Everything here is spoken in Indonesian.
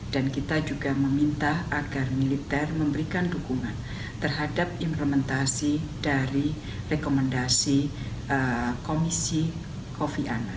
dan kita juga meminta agar militer memberikan dukungan terhadap implementasi dari rekomendasi komisi kofi anand